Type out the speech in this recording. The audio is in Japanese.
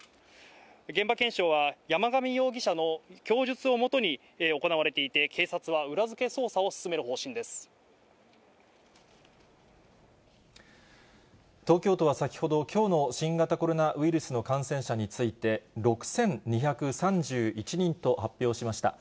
現場検証は、山上容疑者の供述をもとに行われていて、警察は裏付け捜査を進め東京都は先ほど、きょうの新型コロナウイルスの感染者について、６２３１人と発表しました。